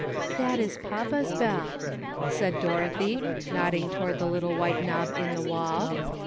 "That is papa's bell," said Dorothy, nodding toward the little white knob in the wall.